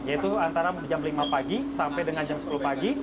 yaitu antara jam lima pagi sampai dengan jam sepuluh pagi